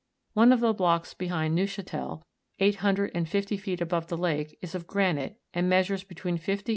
One of the blocks behind Neuchatel, eight hundred and fifty feet above the lake, is of granite, and measures between fifty 34.